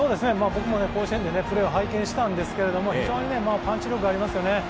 僕も甲子園でプレーを拝見したんですけれども、非常にパンチ力がありますよね。